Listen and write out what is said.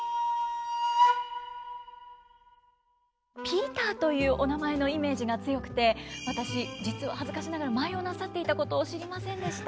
ピーターというお名前のイメージが強くて私実は恥ずかしながら舞をなさっていたことを知りませんでした。